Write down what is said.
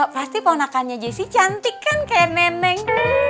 pasti keponakannya jessy cantik kan kayak neneng